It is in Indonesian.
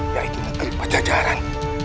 yaitu negeri pajajaran